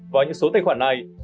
vào những số tài khoản này